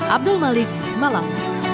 abdul malik malam